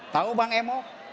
tahu bank emok